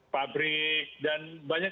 pabrik dan banyak